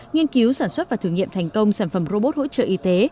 nghiên cứu sản xuất và thử nghiệm thành công sản phẩm robot hỗ trợ y tế